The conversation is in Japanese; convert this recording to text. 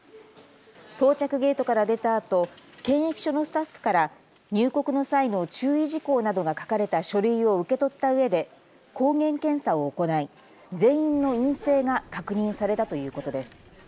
到着ゲートから出たあと検疫所のスタッフから入国の際の注意事項などが書かれた書類を受け取ったうえで抗原検査を行い、全員の陰性が確認されたということです。